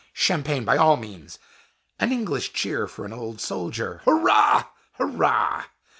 Champagne by all means! An English cheer for an old soldier! Hurrah! hurrah!